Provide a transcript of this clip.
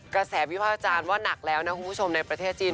กระแสวิภาควิจารณ์ว่าหนักแล้วนะคุณผู้ชมในประเทศจีน